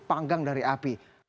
panggang dari api